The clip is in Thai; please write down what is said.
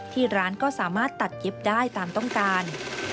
ที่ร้านก็สามารถตัดเย็บได้ตามต้องการ